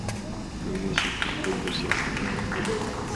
Luego, hace que el pueblo sea "como el niño".